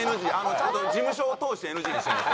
ちゃんと事務所を通してＮＧにしてます。